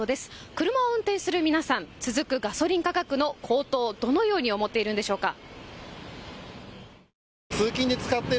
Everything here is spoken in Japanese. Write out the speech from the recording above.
車を運転する皆さん、続くガソリン価格の高騰、どのように思っているんでしょうか。